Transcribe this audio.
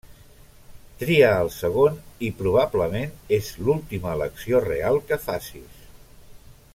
Tria el segon, i probablement és l'última elecció real que facis.